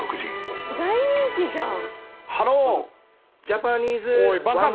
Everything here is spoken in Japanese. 大人気じゃん。